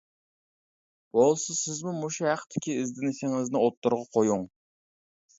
بولسا سىزمۇ مۇشۇ ھەقتىكى ئىزدىنىشىڭىزنى ئوتتۇرىغا قويۇڭ.